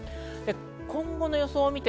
今後の予想です。